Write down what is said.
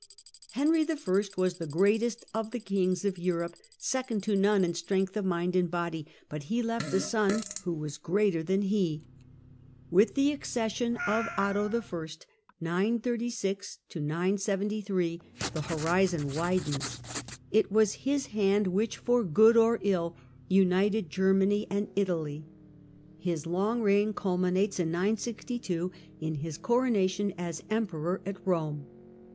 "Henry I. was the greatest of the kings of Europe, second to none in strength of mind and body, but he left a son who was greater than he." With the accession of Otto I. the horizon widens. It was his hand which, for good or ill, united Germany and Italy. His long reign culminates in 962, in his coronation as Emperor at Eome.